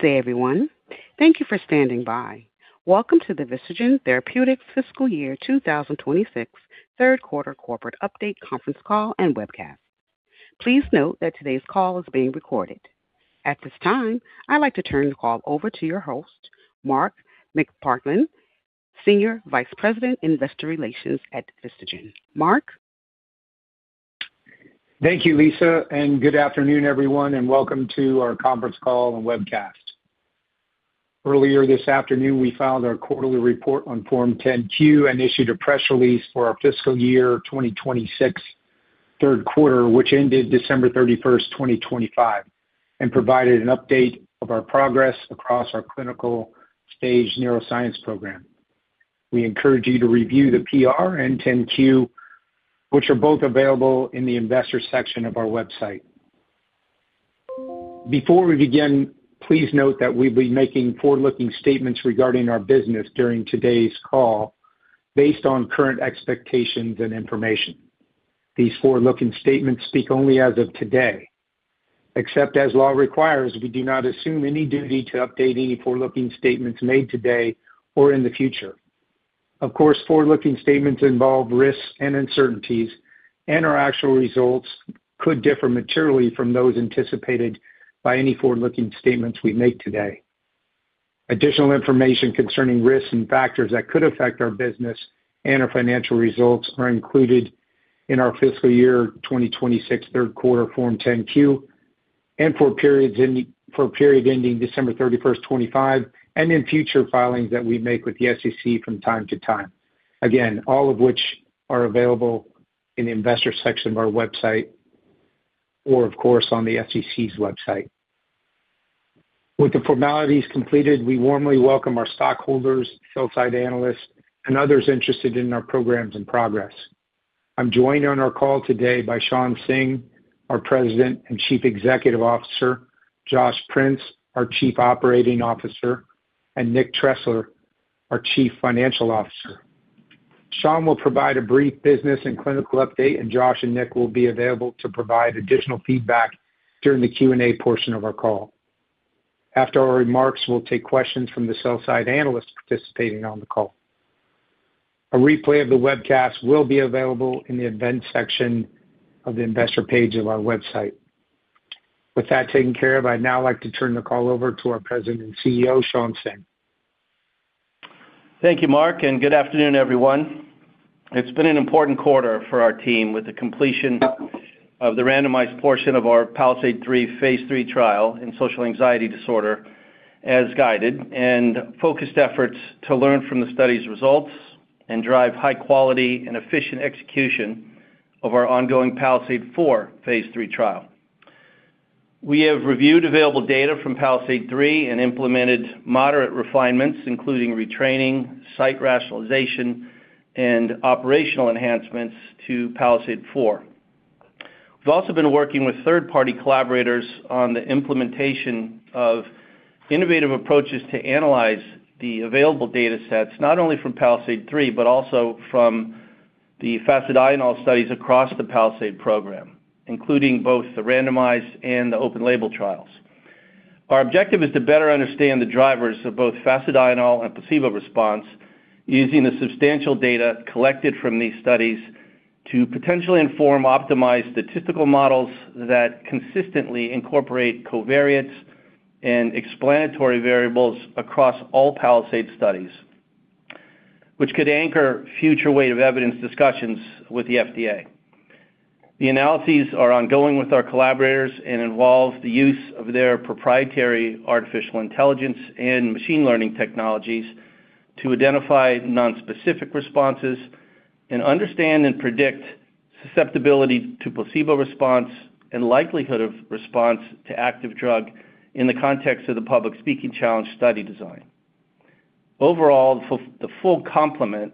Good day, everyone. Thank you for standing by. Welcome to the Vistagen Therapeutics Fiscal Year 2026, third quarter corporate update conference call and webcast. Please note that today's call is being recorded. At this time, I'd like to turn the call over to your host, Mark McPartland, Senior Vice President, Investor Relations at Vistagen. Mark? Thank you, Lisa, and good afternoon, everyone, and welcome to our conference call and webcast. Earlier this afternoon, we filed our quarterly report on Form 10-Q and issued a press release for our fiscal year 2026, third quarter, which ended December 31, 2025, and provided an update of our progress across our clinical stage neuroscience program. We encourage you to review the PR and 10-Q, which are both available in the Investors section of our website. Before we begin, please note that we'll be making forward-looking statements regarding our business during today's call based on current expectations and information. These forward-looking statements speak only as of today. Except as law requires, we do not assume any duty to update any forward-looking statements made today or in the future. Of course, forward-looking statements involve risks and uncertainties, and our actual results could differ materially from those anticipated by any forward-looking statements we make today. Additional information concerning risks and factors that could affect our business and our financial results are included in our fiscal year 2026, third quarter Form 10-Q for a period ending December 31, 2025, and in future filings that we make with the SEC from time to time. Again, all of which are available in the Investors section of our website or, of course, on the SEC's website. With the formalities completed, we warmly welcome our stockholders, sell-side analysts, and others interested in our programs and progress. I'm joined on our call today by Shawn Singh, our President and Chief Executive Officer, Josh Prince, our Chief Operating Officer, and Nick Tressler, our Chief Financial Officer. Shawn will provide a brief business and clinical update, and Josh and Nick will be available to provide additional feedback during the Q&A portion of our call. After our remarks, we'll take questions from the sell-side analysts participating on the call. A replay of the webcast will be available in the Events section of the Investor page of our website. With that taken care of, I'd now like to turn the call over to our President and CEO, Shawn Singh. Thank you, Mark, and good afternoon, everyone. It's been an important quarter for our team with the completion of the randomized portion of our PALISADE-3, phase 3 trial in social anxiety disorder, as guided, and focused efforts to learn from the study's results and drive high quality and efficient execution of our ongoing PALISADE-4, phase 3 trial. We have reviewed available data from PALISADE-3 and implemented moderate refinements, including retraining, site rationalization, and operational enhancements to PALISADE-4. We've also been working with third-party collaborators on the implementation of innovative approaches to analyze the available data sets, not only from PALISADE-3, but also from the fasedienol studies across the PALISADE program, including both the randomized and the open-label trials. Our objective is to better understand the drivers of both fasedienol and placebo response using the substantial data collected from these studies to potentially inform optimized statistical models that consistently incorporate covariates and explanatory variables across all PALISADE studies, which could anchor future weight of evidence discussions with the FDA. The analyses are ongoing with our collaborators and involve the use of their proprietary artificial intelligence and machine learning technologies to identify nonspecific responses and understand and predict susceptibility to placebo response and likelihood of response to active drug in the context of the public speaking challenge study design. Overall, the full complement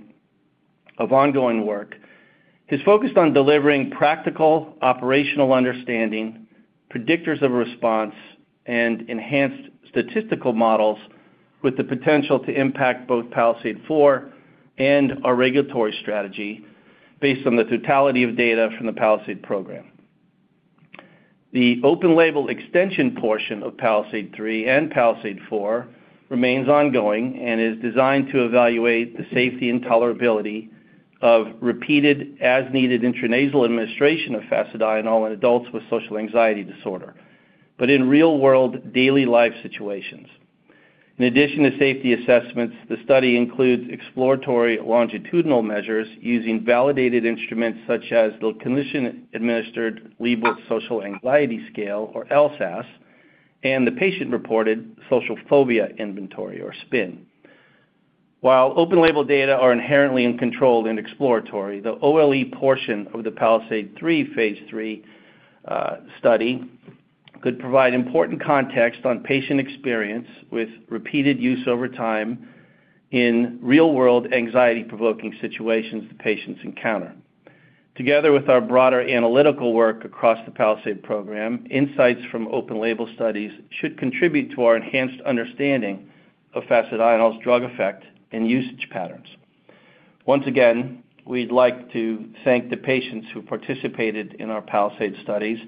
of ongoing work is focused on delivering practical, operational understanding, predictors of response, and enhanced statistical models with the potential to impact both PALISADE-4 and our regulatory strategy based on the totality of data from the PALISADE program. The open-label extension portion of PALISADE-3 and PALISADE-4 remains ongoing and is designed to evaluate the safety and tolerability of repeated as-needed intranasal administration of fasedienol in adults with social anxiety disorder, but in real-world, daily life situations. In addition to safety assessments, the study includes exploratory longitudinal measures using validated instruments such as the clinician-administered Liebowitz Social Anxiety Scale, or LSAS, and the patient-reported Social Phobia Inventory, or SPIN. While open label data are inherently uncontrolled and exploratory, the OLE portion of the PALISADE-3 Phase 3 study could provide important context on patient experience with repeated use over time in real-world, anxiety-provoking situations the patients encounter. Together with our broader analytical work across the PALISADE program, insights from open-label studies should contribute to our enhanced understanding of fasedienol's drug effect and usage patterns. Once again, we'd like to thank the patients who participated in our PALISADE studies,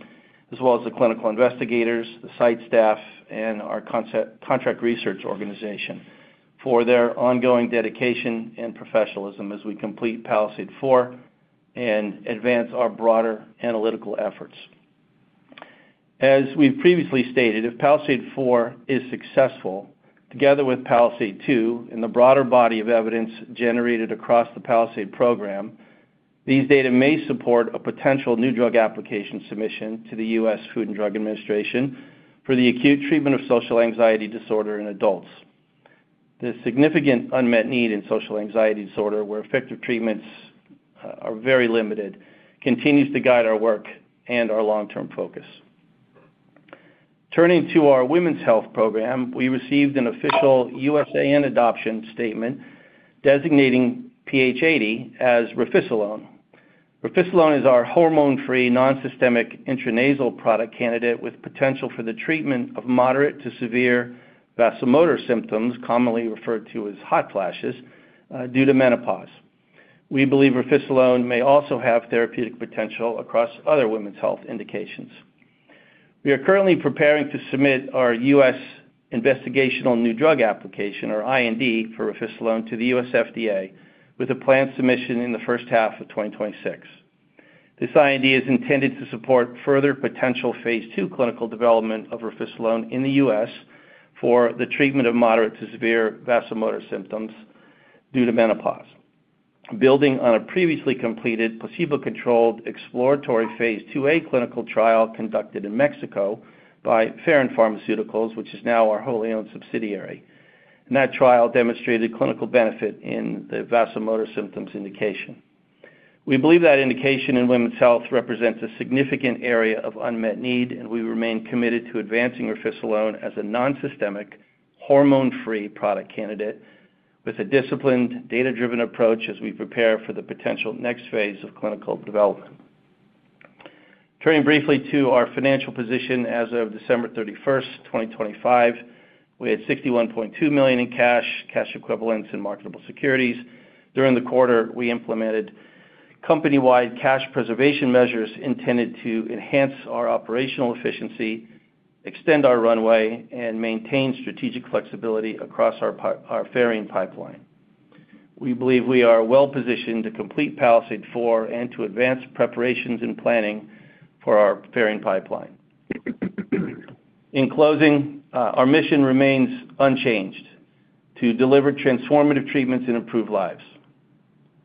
as well as the clinical investigators, the site staff, and our contract research organization, for their ongoing dedication and professionalism as we complete PALISADE-4 and advance our broader analytical efforts. As we've previously stated, if PALISADE-4 is successful, together with PALISADE-2 and the broader body of evidence generated across the PALISADE program, these data may support a potential new drug application submission to the U.S. Food and Drug Administration for the acute treatment of social anxiety disorder in adults. The significant unmet need in social anxiety disorder, where effective treatments are very limited, continues to guide our work and our long-term focus. Turning to our women's health program, we received an official USAN adoption statement designating PH80 as rafisolone. Rafisolone is our hormone-free, nonsystemic, intranasal product candidate with potential for the treatment of moderate to severe vasomotor symptoms, commonly referred to as hot flashes, due to menopause. We believe rafisolone may also have therapeutic potential across other women's health indications. We are currently preparing to submit our US investigational new drug application, or IND, for rafisolone to the US FDA, with a planned submission in the first half of 2026. This IND is intended to support further potential phase 2 clinical development of rafisolone in the US for the treatment of moderate to severe vasomotor symptoms due to menopause. Building on a previously completed placebo-controlled exploratory Phase 2A clinical trial conducted in Mexico by Pherin Pharmaceuticals, which is now our wholly owned subsidiary, and that trial demonstrated clinical benefit in the vasomotor symptoms indication. We believe that indication in women's health represents a significant area of unmet need, and we remain committed to advancing rafisolone as a nonsystemic, hormone-free product candidate with a disciplined, data-driven approach as we prepare for the potential next phase of clinical development. Turning briefly to our financial position. As of December 31st, 2025, we had $61.2 million in cash, cash equivalents, and marketable securities. During the quarter, we implemented company-wide cash preservation measures intended to enhance our operational efficiency, extend our runway, and maintain strategic flexibility across our varying pipeline. We believe we are well positioned to complete PALISADE four and to advance preparations and planning for our varying pipeline. In closing, our mission remains unchanged: to deliver transformative treatments and improve lives.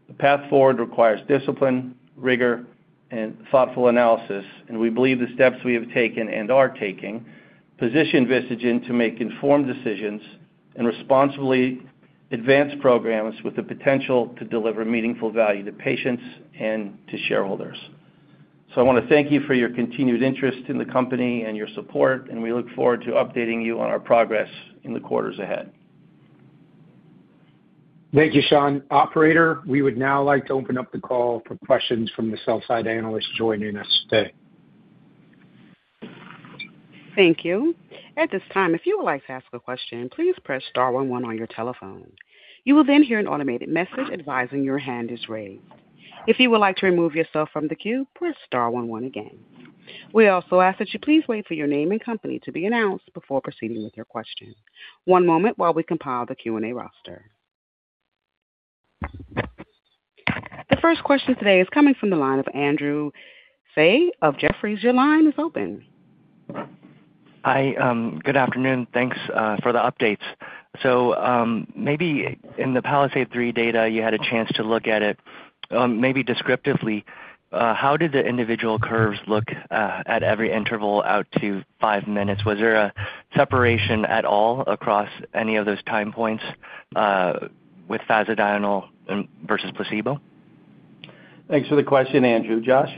The path forward requires discipline, rigor, and thoughtful analysis, and we believe the steps we have taken and are taking position Vistagen to make informed decisions and responsibly advance programs with the potential to deliver meaningful value to patients and to shareholders. So I want to thank you for your continued interest in the company and your support, and we look forward to updating you on our progress in the quarters ahead. Thank you, Sean. Operator, we would now like to open up the call for questions from the sell-side analysts joining us today. Thank you. At this time, if you would like to ask a question, please press star one one on your telephone. You will then hear an automated message advising your hand is raised. If you would like to remove yourself from the queue, press star one one again. We also ask that you please wait for your name and company to be announced before proceeding with your question. One moment while we compile the Q&A roster. The first question today is coming from the line of Andrew Fein of Jefferies. Your line is open. Hi, good afternoon. Thanks for the updates. So, maybe in the PALISADE-3 data, you had a chance to look at it. Maybe descriptively, how did the individual curves look at every interval out to five minutes? Was there a separation at all across any of those time points with fasedienol versus placebo? Thanks for the question, Andrew. Josh?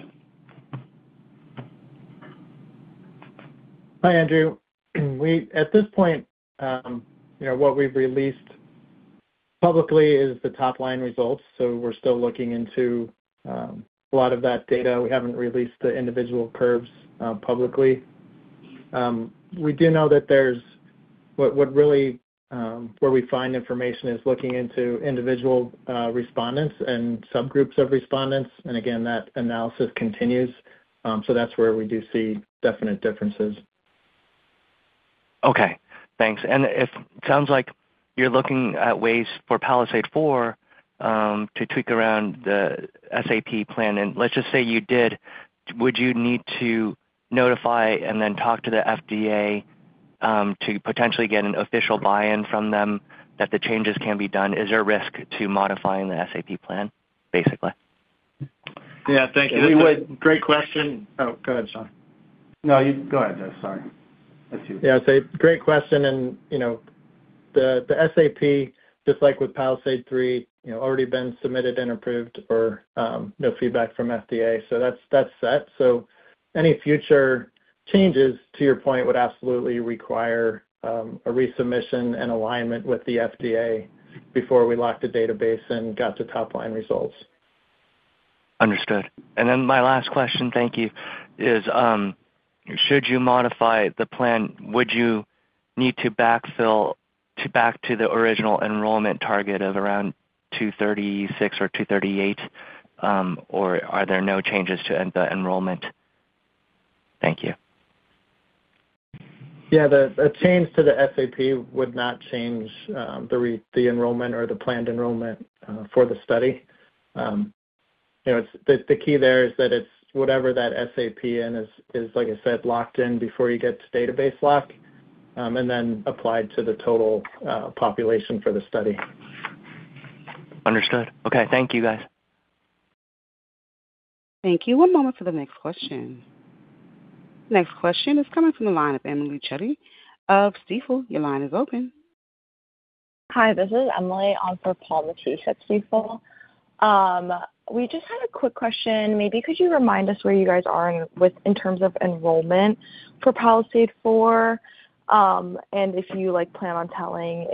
Hi, Andrew. At this point, you know, what we've released publicly is the top-line results, so we're still looking into a lot of that data. We haven't released the individual curves publicly. We do know that there's... What really, where we find information is looking into individual respondents and subgroups of respondents. And again, that analysis continues. So that's where we do see definite differences. Okay, thanks. And it sounds like you're looking at ways for PALISADE-4 to tweak around the SAP plan, and let's just say you did. Would you need to notify and then talk to the FDA to potentially get an official buy-in from them that the changes can be done? Is there a risk to modifying the SAP plan, basically? Yeah, thank you. We would- Great question. Oh, go ahead, Shawn. No, you go ahead, Josh. Sorry. It's you. Yeah, it's a great question, and, you know, the SAP, just like with PALISADE three, you know, already been submitted and approved for no feedback from FDA. So that's set. So any future changes, to your point, would absolutely require a resubmission and alignment with the FDA before we lock the database and got the top-line results. Understood. And then my last question, thank you, is, should you modify the plan, would you need to backfill to the original enrollment target of around 236 or 238, or are there no changes to the enrollment? Thank you. Yeah, a change to the SAP would not change the enrollment or the planned enrollment for the study. You know, it's the key there is that it's whatever that SAP is locked in before you get to database lock, and then applied to the total population for the study. Understood. Okay. Thank you, guys. Thank you. One moment for the next question. Next question is coming from the line of Emily Chetty of Stifel. Your line is open. Hi, this is Emily on for Paul Matteis at Stifel. We just had a quick question. Maybe could you remind us where you guys are in terms of enrollment for PALISADE four? And if you like plan on telling,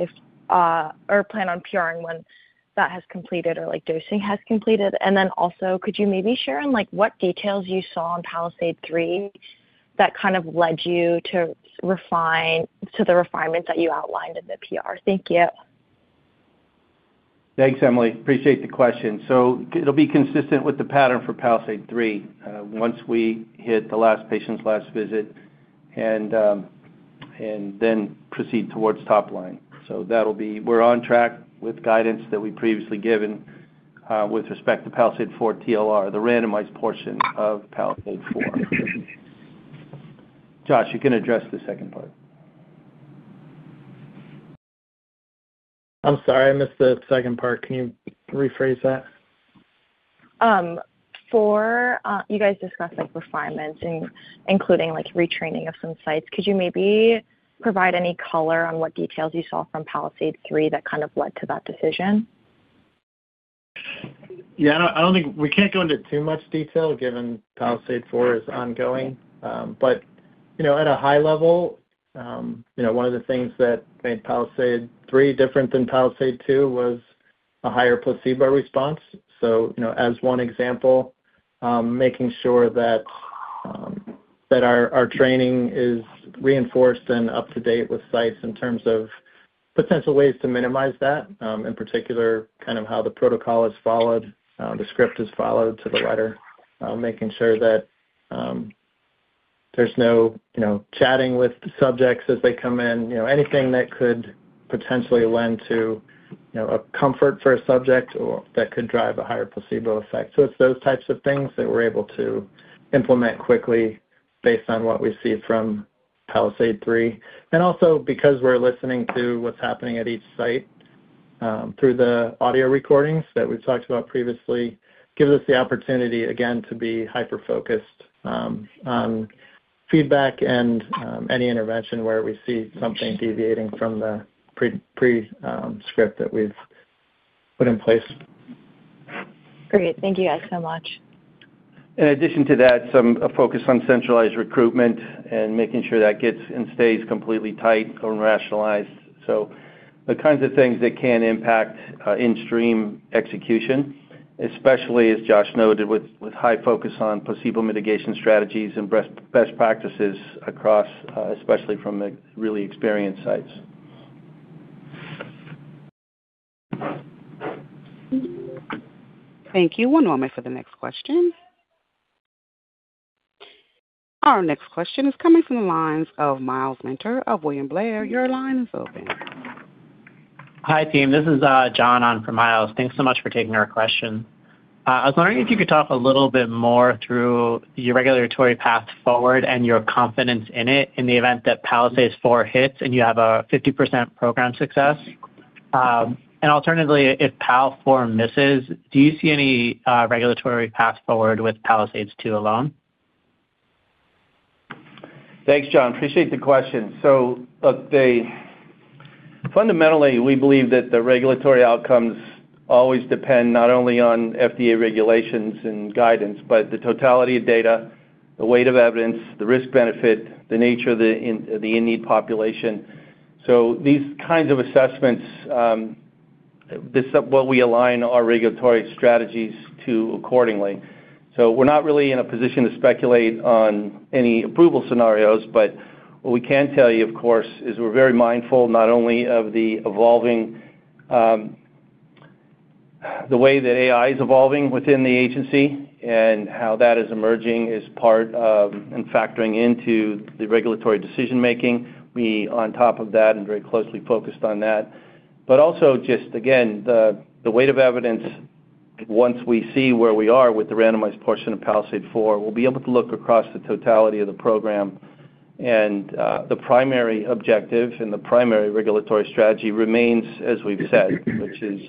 or plan on PRing when that has completed or like dosing has completed. And then also, could you maybe share, like, what details you saw on PALISADE three that kind of led you to refine to the refinements that you outlined in the PR? Thank you. Thanks, Emily. Appreciate the question. So it'll be consistent with the pattern for PALISADE three. Once we hit the last patient's last visit and, and then proceed towards top line. So that'll be... We're on track with guidance that we've previously given, with respect to PALISADE four TLR, the randomized portion of PALISADE four. Josh, you can address the second part. I'm sorry, I missed the second part. Can you rephrase that? You guys discussed, like, refinements including, like, retraining of some sites. Could you maybe provide any color on what details you saw from PALISADE-3 that kind of led to that decision? Yeah, I don't think we can go into too much detail, given PALISADE-4 is ongoing. But, you know, at a high level, you know, one of the things that made PALISADE-3 different than PALISADE-2 was a higher placebo response. So, you know, as one example, making sure that our training is reinforced and up to date with sites in terms of potential ways to minimize that, in particular, kind of how the protocol is followed, the script is followed to the letter. Making sure that there's no, you know, chatting with the subjects as they come in. You know, anything that could potentially lend to, you know, a comfort for a subject or that could drive a higher placebo effect. So it's those types of things that we're able to implement quickly based on what we see from PALISADE-3, and also because we're listening to what's happening at each site through the audio recordings that we've talked about previously, gives us the opportunity, again, to be hyper-focused on feedback and any intervention where we see something deviating from the pre-script that we've put in place. Great. Thank you guys so much. In addition to that, a focus on centralized recruitment and making sure that gets and stays completely tight and rationalized. So the kinds of things that can impact in-stream execution, especially as Josh noted, with high focus on placebo mitigation strategies and best practices across, especially from the really experienced sites. Thank you. One moment for the next question. Our next question is coming from the lines of Miles Minter of William Blair. Your line is open. Hi, team. This is John on for Miles. Thanks so much for taking our question. I was wondering if you could talk a little bit more through your regulatory path forward and your confidence in it in the event that PALISADE-4 hits and you have a 50% program success? Alternatively, if PALISADE-4 misses, do you see any regulatory path forward with PALISADE-2 alone? Thanks, John. Appreciate the question. So look, fundamentally, we believe that the regulatory outcomes always depend not only on FDA regulations and guidance, but the totality of data, the weight of evidence, the risk-benefit, the nature of the in-need population. So these kinds of assessments, this is what we align our regulatory strategies to accordingly. So we're not really in a position to speculate on any approval scenarios, but what we can tell you, of course, is we're very mindful not only of the evolving, the way that AI is evolving within the agency and how that is emerging as part of and factoring into the regulatory decision making. We on top of that and very closely focused on that. But also just, again, the weight of evidence, once we see where we are with the randomized portion of PALISADE four, we'll be able to look across the totality of the program. And the primary objective and the primary regulatory strategy remains, as we've said, which is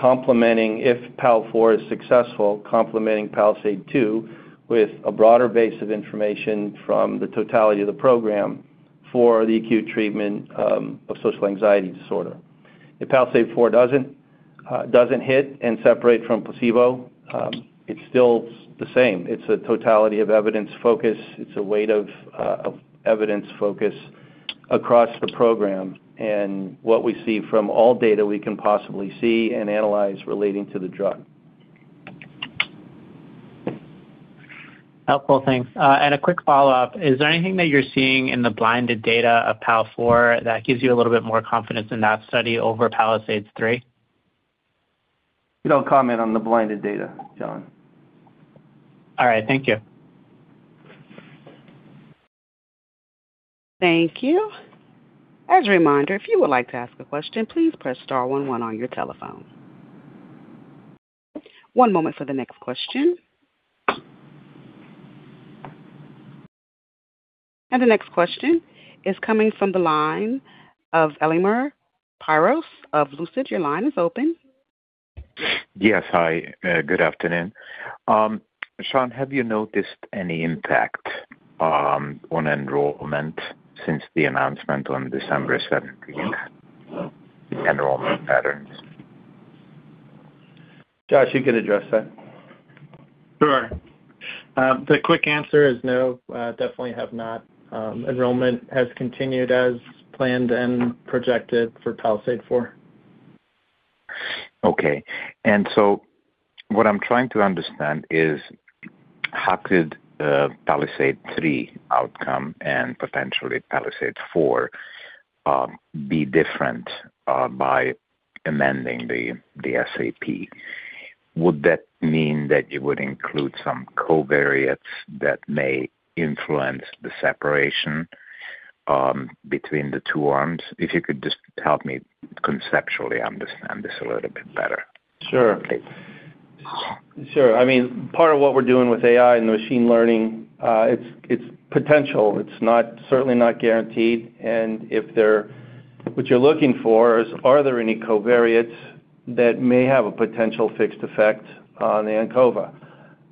complementing, if PAL four is successful, complementing PALISADE two with a broader base of information from the totality of the program for the acute treatment of social anxiety disorder. If PALISADE four doesn't hit and separate from placebo, it's still the same. It's a totality of evidence focus. It's a weight of evidence focus across the program and what we see from all data we can possibly see and analyze relating to the drug. Helpful. Thanks. And a quick follow-up: Is there anything that you're seeing in the blinded data of PALISADE-4 that gives you a little bit more confidence in that study over PALISADE-3? We don't comment on the blinded data, John. All right. Thank you. Thank you. As a reminder, if you would like to ask a question, please press star one one on your telephone. One moment for the next question. And the next question is coming from the line of Elemer Piros of Lucid. Your line is open. Yes. Hi. Good afternoon. Shawn, have you noticed any impact on enrollment since the announcement on December seventeenth, enrollment patterns? Josh, you can address that. Sure. The quick answer is no, definitely have not. Enrollment has continued as planned and projected for PALISADE-4. Okay. So what I'm trying to understand is, how could the PALISADE-3 outcome and potentially PALISADE-4 be different by amending the SAP? Would that mean that you would include some covariates that may influence the separation between the two arms? If you could just help me conceptually understand this a little bit better. Sure. Sure. I mean, part of what we're doing with AI and machine learning, it's potential. It's not certainly not guaranteed. What you're looking for is, are there any covariates that may have a potential fixed effect on the ANCOVA?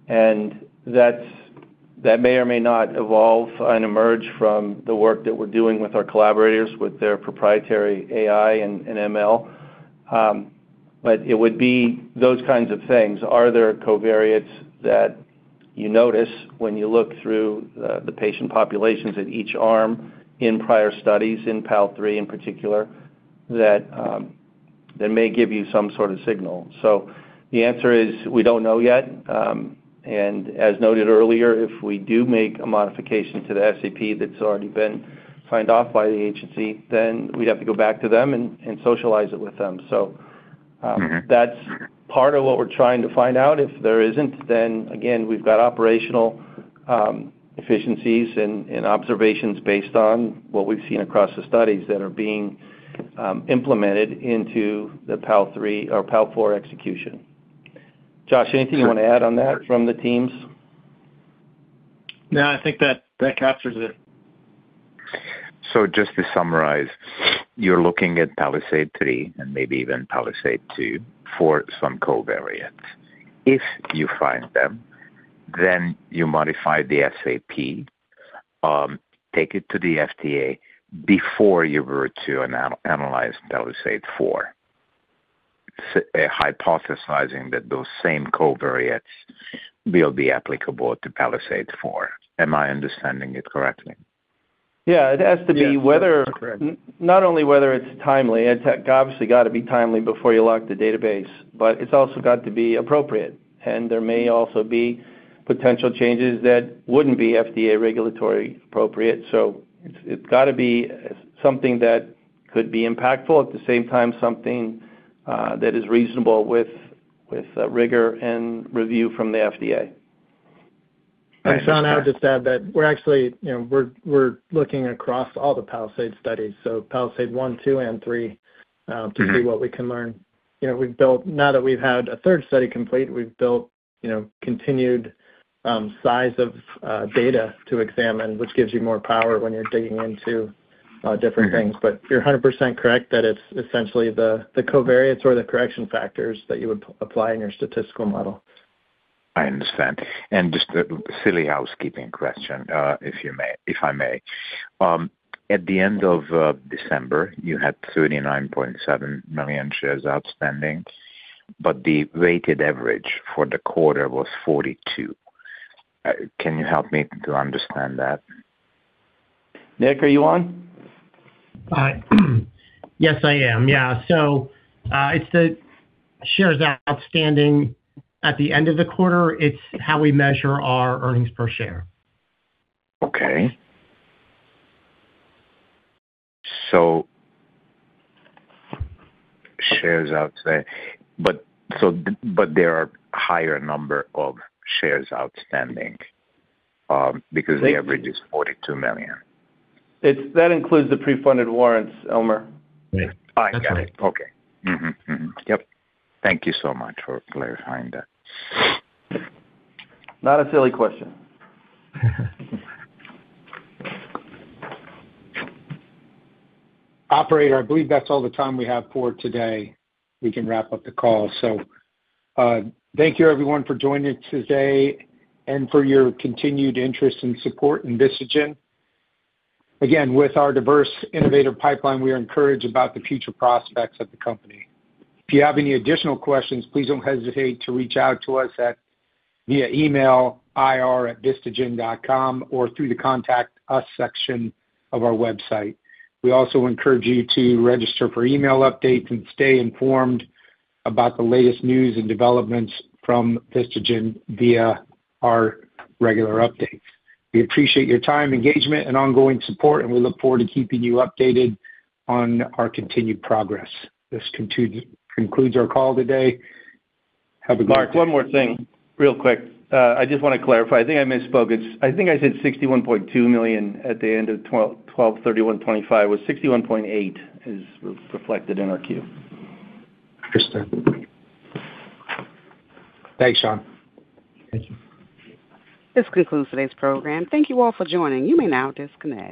And that may or may not evolve and emerge from the work that we're doing with our collaborators, with their proprietary AI and ML. But it would be those kinds of things. Are there covariates that you notice when you look through the patient populations in each arm in prior studies, in PAL three in particular, that may give you some sort of signal? So the answer is we don't know yet. And as noted earlier, if we do make a modification to the SAP that's already been signed off by the agency, then we'd have to go back to them and socialize it with them. Mm-hmm. So, that's part of what we're trying to find out. If there isn't, then again, we've got operational, efficiencies and, and observations based on what we've seen across the studies that are being, implemented into the PALISADE-3 or PALISADE-4 execution. Josh, anything you want to add on that from the teams? No, I think that, that captures it. So just to summarize, you're looking at PALISADE-3 and maybe even PALISADE-2 for some covariates. If you find them, then you modify the SAP, take it to the FDA before you were to analyze PALISADE-4, hypothesizing that those same covariates will be applicable to PALISADE-4. Am I understanding it correctly? Yeah. It has to be whether- Correct. Not only whether it's timely, it's obviously got to be timely before you lock the database, but it's also got to be appropriate. There may also be potential changes that wouldn't be FDA regulatory appropriate. It's got to be something that could be impactful, at the same time, something that is reasonable with rigor and review from the FDA. I understand. Shawn, I would just add that we're actually, you know, we're looking across all the PALISADE studies, so PALISADE 1, two, and three- Mm-hmm to see what we can learn. You know, we've built... Now that we've had a third study complete, we've built, you know, continued size of data to examine, which gives you more power when you're digging into different things. Mm-hmm. But you're 100% correct, that it's essentially the covariates or the correction factors that you would apply in your statistical model. I understand. And just a silly housekeeping question, if you may, if I may. At the end of December, you had 39.7 million shares outstanding, but the weighted average for the quarter was 42. Can you help me to understand that? Nick, are you on? Hi. Yes, I am. Yeah. So, it's the shares outstanding at the end of the quarter, it's how we measure our earnings per share. Okay. So, but there are higher number of shares outstanding, because- They- The average is $42 million. It's that includes the pre-funded warrants, Elemer. Yeah. I got it. Okay. Mm-hmm. Mm-hmm. Yep. Thank you so much for clarifying that. Not a silly question. Operator, I believe that's all the time we have for today. We can wrap up the call. So, thank you, everyone, for joining today and for your continued interest and support in Vistagen. Again, with our diverse innovative pipeline, we are encouraged about the future prospects of the company. If you have any additional questions, please don't hesitate to reach out to us via email at ir@vistagen.com, or through the Contact Us section of our website. We also encourage you to register for email updates and stay informed about the latest news and developments from Vistagen via our regular updates. We appreciate your time, engagement, and ongoing support, and we look forward to keeping you updated on our continued progress. This concludes our call today. Mark, one more thing, real quick. I just want to clarify. I think I misspoke. It's, I think I said $61.2 million at the end of 12/31/2015 was $61.8 million, is reflected in our Q. Understood. Thanks, Sean. Thank you. This concludes today's program. Thank you all for joining. You may now disconnect.